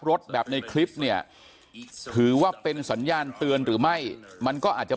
รถแบบในคลิปเนี่ยถือว่าเป็นสัญญาณเตือนหรือไม่มันก็อาจจะ